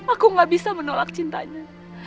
aku gak bisa menolak cintanya